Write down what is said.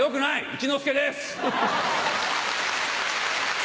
一之輔です！